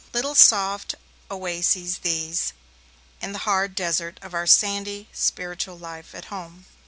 Little soft oases these, in the hard desert of our sandy spiritual life at home.